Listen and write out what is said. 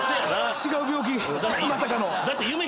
違う病気⁉まさかの。